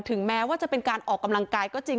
แม้ว่าจะเป็นการออกกำลังกายก็จริง